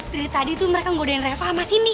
dari tadi tuh mereka ngodain reva sama sini